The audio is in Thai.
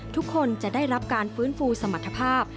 ทุกคนจะได้รับการฟื้นฟูสมรรถภาพ